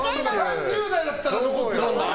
３０代だったら残ってたんだよ。